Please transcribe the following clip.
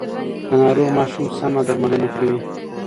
د ناروغ ماشوم سم درملنه کوي.